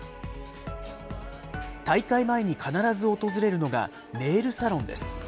大会前に必ず訪れるのがネイルサロンです。